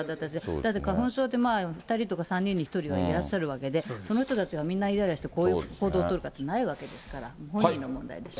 だって花粉症って、２人とか３人に１人はいらっしゃるわけで、その人たちがみんないらいらして、こういう行動取ることはないですから、本人の問題でしょう。